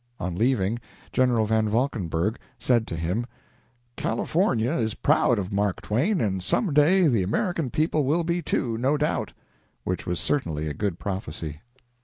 On leaving, General Van Valkenburg said to him: "California is proud of Mark Twain, and some day the American people will be, too, no doubt." Which was certainly a good prophecy.